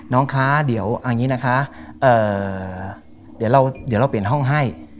น้องคะเดี๋ยวเอาอย่างนี้นะคะเดี๋ยวเราเปลี่ยนห้องให้